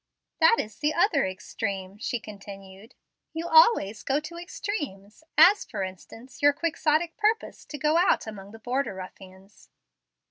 "That is the other extreme," she continued. "You always go to extremes, as, for instance, your quixotic purpose to go out among the border ruffians."